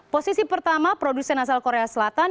posisi pertama produsen asal korea selatan